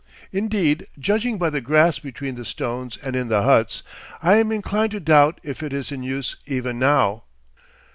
Indeed, judging by the grass between the stones and in the huts, I am inclined to doubt if it is in use even now.